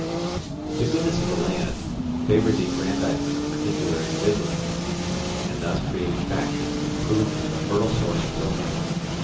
The goodness of the land favoured the aggrandizement of particular individuals, and thus created faction which proved a fertile source of ruin.